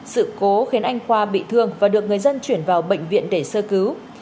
sự cố khiến anh khoa bị thương và được người dân chuyển vào bệnh viện để sơ cứu